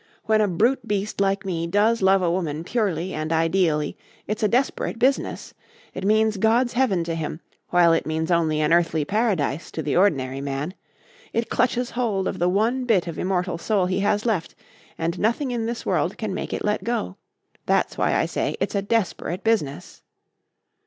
When a brute beast like me does love a woman purely and ideally, it's a desperate business. It means God's Heaven to him, while it means only an earthly paradise to the ordinary man. It clutches hold of the one bit of immortal soul he has left, and nothing in this world can make it let go. That's why I say it's a desperate business."